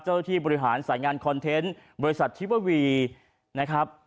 ที่บริหารสายงานคอนเทนต์บริษัททิเวอร์วีนะครับ